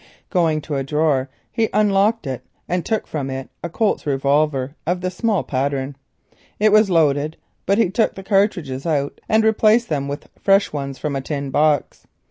Going to a drawer, he unlocked it and took from it a Colt's revolver of the small pattern. It was loaded, but he extracted the cartridges and replaced them with fresh ones from a tin box.